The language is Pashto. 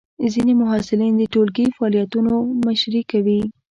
ځینې محصلین د ټولګی فعالیتونو مشري کوي.